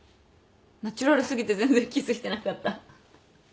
ナチュラル過ぎて全然気付いてなかった。